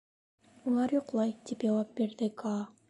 — Улар йоҡлай, — тип яуап бирҙе Каа.